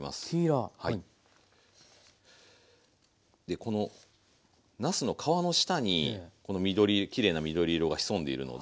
でこのなすの皮の下にこの緑きれいな緑色が潜んでいるので。